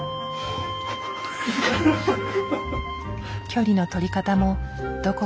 距離の取り方もどこか今どき。